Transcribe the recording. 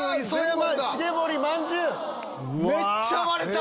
めっちゃ割れた！